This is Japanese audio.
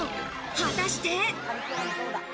果たして。